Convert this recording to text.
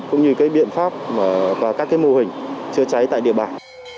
cũng như cái biện pháp và các cái mô hình chữa cháy tại địa bàn